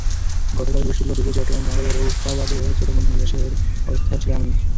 গতকাল বৃহস্পতিবার দুপুরে চট্টগ্রাম নগরের রৌফাবাদের ছোট মণি নিবাসের অবস্থা ছিল এমনই।